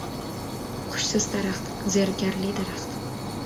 • Qushsiz daraxt — zerikarli daraxt.